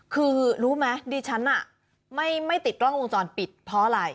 คือรู้ไหมดิฉันไม่ติดกล้องวงจรปิดเพราะอะไร